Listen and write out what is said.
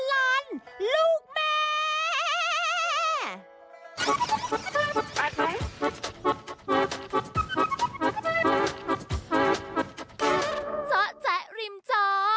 จ๊ะจ๊ะริมจ๋อ